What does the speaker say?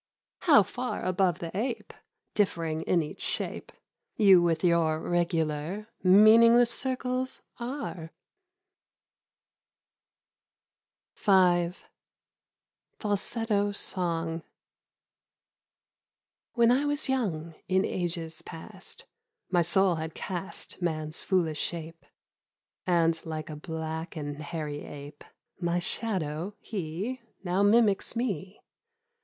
How far above the ape Differing in each shape, You with your regular Meaningless circles are !' 86 EDITH SIT WELL. V. FALSETTO SONG. WHEN I was young, in ages past My soul had cast Man's foolish shape, And like a black and hairy ape — My shadow, he Now mimics me.